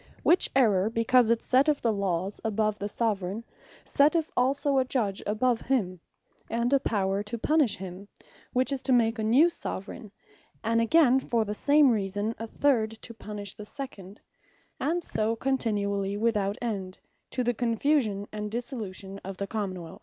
Which errour, because it setteth the Lawes above the Soveraign, setteth also a Judge above him, and a Power to punish him; which is to make a new Soveraign; and again for the same reason a third, to punish the second; and so continually without end, to the Confusion, and Dissolution of the Common wealth.